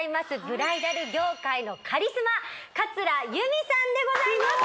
ブライダル業界のカリスマ桂由美さんでございます